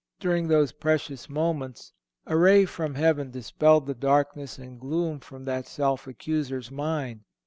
During those precious moments a ray from heaven dispelled the darkness and gloom from that self accuser's mind.